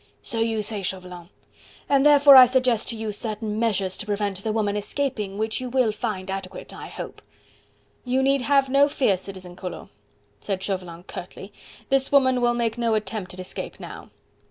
"So you say, Chauvelin; and therefore I suggested to you certain measures to prevent the woman escaping which you will find adequate, I hope." "You need have no fear, Citizen Collot," said Chauvelin curtly, "this woman will make no attempt at escape now."